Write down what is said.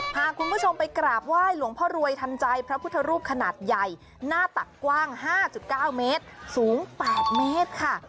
พาคุณผู้ชมไปกราบไหว้หลวงพ่อรวยทันใจพระพุทธรูปขนาดใหญ่หน้าตักกว้าง๕๙เมตรสูง๘เมตรค่ะ